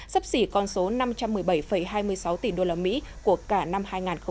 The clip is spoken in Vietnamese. sắp xỉ con số năm trăm một mươi bảy hai mươi sáu tỷ đô la mỹ của cả năm hai nghìn một mươi chín